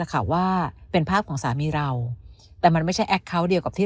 แหละค่ะว่าเป็นภาพของสามีเราแต่มันไม่ใช่เดียวกับที่